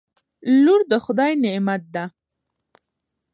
لور دخدای نعمت ده